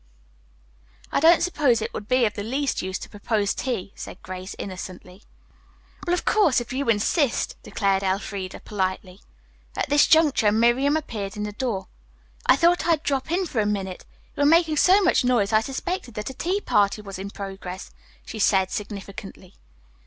"I don't suppose it would be of the least use to propose tea," said Grace innocently. "Well, of course, if you insist," declared Elfreda politely. At this juncture Miriam appeared in the door. "I thought I'd drop in for a minute. You were making so much noise I suspected that a tea party was in progress," she said significantly.